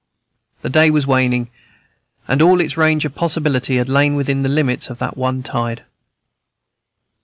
The day was waning, and all its range of possibility had lain within the limits of that one tide.